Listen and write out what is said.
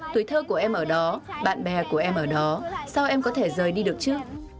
tuổi thơ của em ở đó bạn bè của em ở đó sau em có thể rời đi được chứ